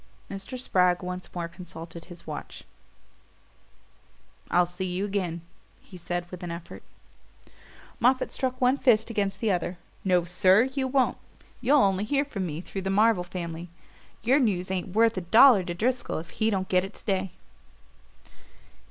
Mr. Spragg once more consulted his watch. "I'll see you again," he said with an effort. Moffatt struck one fist against the other. "No, SIR you won't! You'll only hear from me through the Marvell family. Your news ain't worth a dollar to Driscoll if he don't get it to day."